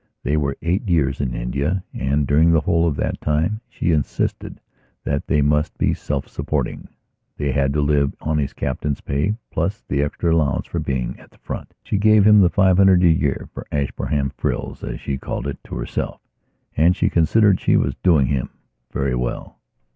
They were eight years in India, and during the whole of that time she insisted that they must be self supportingthey had to live on his Captain's pay, plus the extra allowance for being at the front. She gave him the five hundred a year for Ashburnham frills, as she called it to herselfand she considered she was doing him very well.